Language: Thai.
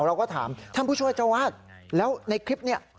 เราก็ถามท่านผู้ช่วยเจ้าวาดแล้วในคลิปนี้